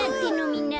みんな。